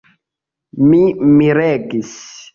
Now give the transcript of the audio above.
Mi miregis.